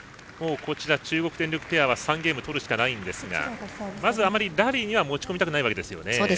こちら中国電力ペアは３ゲーム取るしかないんですがまず、あまりラリーには持ち込みたくないわけですよね。